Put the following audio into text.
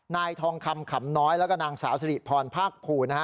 นายทองคำขำน้อยแล้วก็นางสาวสิริพรภาคภูมินะฮะ